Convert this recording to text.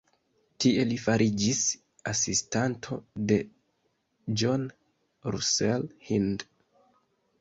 Tie li fariĝis asistanto de John Russell Hind.